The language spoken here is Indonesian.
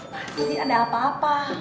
masih ada apa apa